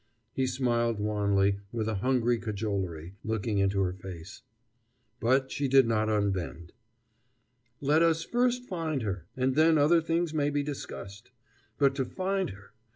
He smiled wanly, with a hungry cajolery, looking into her face. But she did not unbend. "Let us first find her! and then other things may be discussed. But to find her!